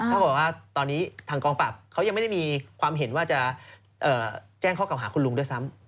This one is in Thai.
เท่ากับว่าตอนนี้ทางกองปราบเขายังไม่ได้มีความเห็นว่าจะแจ้งข้อเก่าหาคุณลุงด้วยซ้ำ